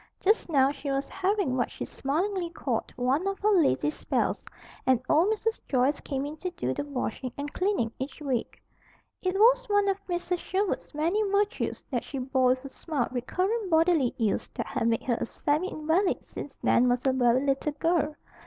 Just now she was having what she smilingly called "one of her lazy spells," and old Mrs. Joyce came in to do the washing and cleaning each week. It was one of Mrs. Sherwood's many virtues that she bore with a smile recurrent bodily ills that had made her a semi invalid since Nan was a very little girl.